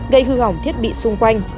gây hư hỏng thiết bị xung quanh